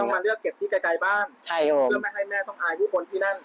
เพื่อไม่ให้แม่ต้องอายทุกคนที่นั่น